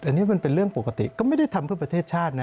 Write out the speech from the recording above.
อันนี้มันเป็นเรื่องปกติก็ไม่ได้ทำเพื่อประเทศชาตินะ